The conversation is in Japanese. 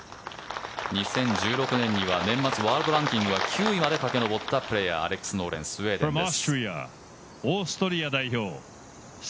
２０１６年には年末ワールドランキングは９位まで駆け上ったプレーヤーアレックス・ノーレンスウェーデンです。